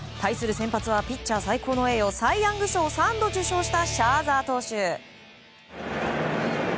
先発はピッチャー最高の栄誉サイ・ヤング賞を３度受賞したシャーザー投手。